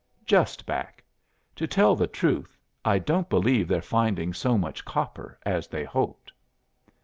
'" "'Just back. To tell the truth I don't believe they're finding so much copper as they hoped.